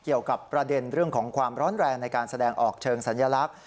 เกี่ยวกับประเด็นเรื่องของความร้อนแรงในการแสดงออกเชิงสัญลักษณ์